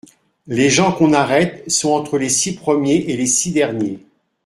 Les gens qu'on arrête sont entre les six premiers et les six derniers.